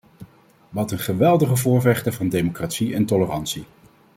Wat een geweldige voorvechter van democratie en tolerantie!